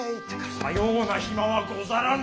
さような暇はござらぬ。